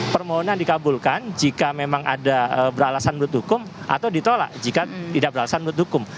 permohonan dikabulkan jika memang ada beralasan menurut hukum atau ditolak jika tidak beralasan menurut hukum